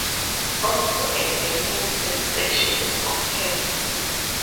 Also, a burning sensation occurs.